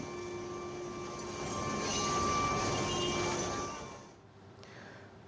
badan koordinasi penanaman modal atau bkpm